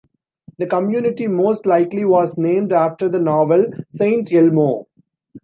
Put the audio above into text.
The community most likely was named after the novel "Saint Elmo".